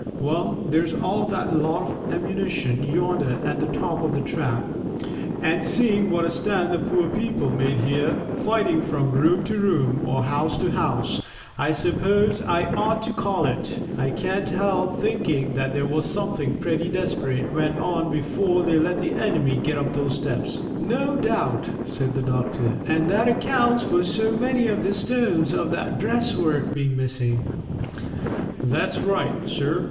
"Well, there's all that lot of ammunition yonder at the top of the trap." "Yes," said the doctor; "I begin to think you're right about that, Griggs." "And seeing what a stand the poor people made here, fighting from room to room or house to house, I suppose I ought to call it I can't help thinking that there was something pretty desperate went on before they let the enemy get up those steps." "No doubt," said the doctor, "and that accounts for so many of the stones of that breastwork being missing." "That's right, sir.